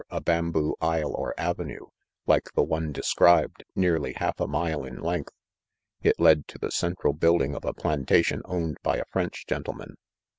a bamboo aisle or avenue, like the one described, nearly half a mile in length j it led to the central "building of a plantation owned by a French gen tleman.